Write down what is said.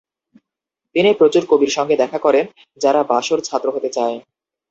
তিনি প্রচুর কবির সঙ্গে দেখা করেন যারা বাসোর ছাত্র হতে চায়।